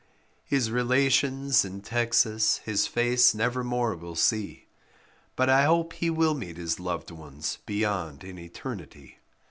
His relations in Texas his face never more will see, But I hope he will meet his loved ones beyond in eternity.